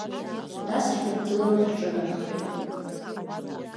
Нас ҳҩагылан ҳҿынаҳхеит.